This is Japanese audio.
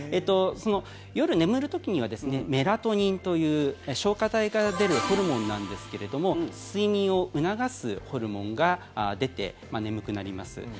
夜眠る時には、メラトニンという松果体から出るホルモンですが睡眠を促すホルモンが出て眠くなります。